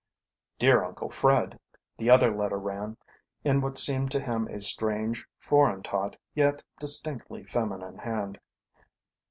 "Dear Uncle Fred": the other letter ran, in what seemed to him a strange, foreign taught, yet distinctly feminine hand.